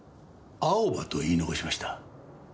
アオバと言い残しました。